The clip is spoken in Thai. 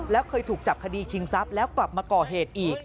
แล้วเคยถูกจับคดีชิงทรัพย์แล้วกลับมาก่อเหตุอีก